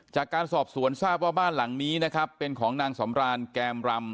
จากการสอบสวนทราบว่าบ้านหลังนี้นะครับเป็นของนางสำรานแกมรำ